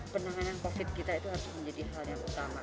penanganan covid kita itu harus menjadi hal yang utama